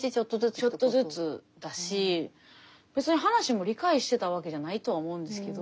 ちょっとずつだし別に話も理解してたわけじゃないとは思うんですけど。